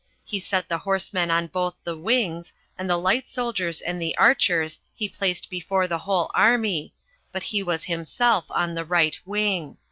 He set the horsemen on both the wings, and the light soldiers and the archers he placed before the whole army, but he was himself on the right wing.